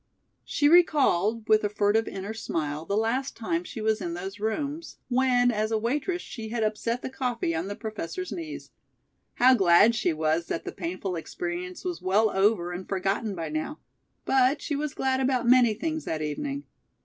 She recalled, with a furtive inner smile, the last time she was in those rooms, when, as a waitress, she had upset the coffee on the Professor's knees. How glad she was that the painful experience was well over and forgotten by now. But she was glad about many things that evening.